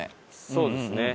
そうですね。